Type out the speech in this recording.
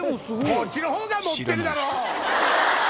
こっちの方が盛ってるだろ！